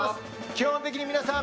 基本的に皆さん